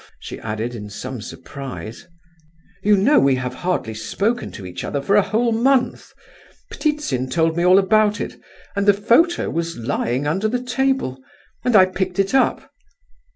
she added, in some surprise. "You know we have hardly spoken to each other for a whole month. Ptitsin told me all about it; and the photo was lying under the table, and I picked it up."